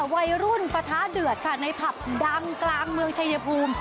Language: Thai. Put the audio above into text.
วัยรุ่นปะท้าเดือดค่ะในผับดังกลางเมืองชายภูมิ